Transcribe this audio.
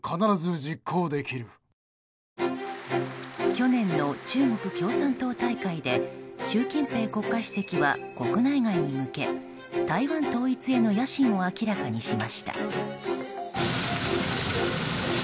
去年の中国共産党大会で習近平国家主席は国内外に向け台湾統一への野心を明らかにしました。